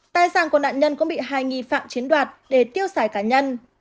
tài sản của nạn nhân cũng bị hai nghi phạm chiếm đoạt để tiêu xài cá nhân